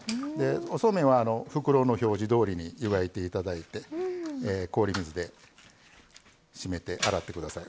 おそうめんは袋の表示どおりに湯がいていただいて氷水でしめて洗ってください。